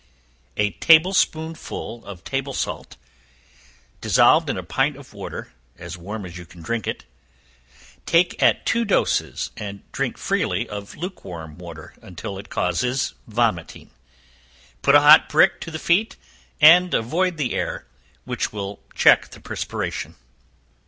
A table spoonful of table salt; dissolved in a pint of water, as warm as you can drink it; take at two doses, and drink freely of luke warm water, until it causes vomiting; put a hot brick to the feet, and avoid the air, which will check the perspiration.